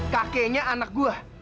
kakeknya anak gue